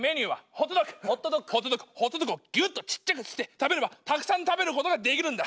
ホットドッグをギュッとちっちゃくして食べればたくさん食べることができるんだ。